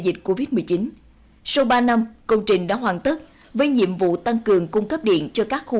dịch covid một mươi chín sau ba năm công trình đã hoàn tất với nhiệm vụ tăng cường cung cấp điện cho các khu